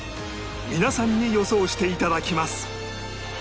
皆さんに予想して頂きます